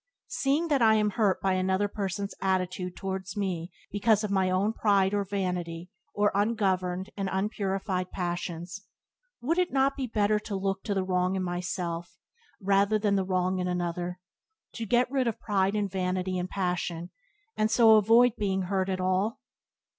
Seeing that I am hurt by another person's attitude towards me because of my own pride or vanity or ungoverned and unpurified passions, would it not be better to look to the wrong in myself rather than Byways to Blessedness by James Allen 40 the wrong in another, to get rid of pride and vanity and passion, and so avoid being hurt at all?